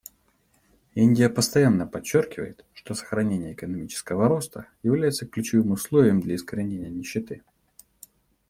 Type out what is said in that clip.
Индия постоянно подчеркивает, что сохранение экономического роста является ключевым условием для искоренения нищеты.